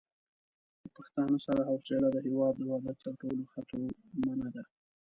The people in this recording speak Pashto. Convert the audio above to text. له پښتانه سره حوصله د هېواد د وحدت تر ټولو ښه تومنه ده.